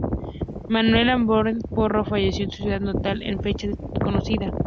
Manuel Agramonte Porro falleció en su ciudad natal en fecha desconocida.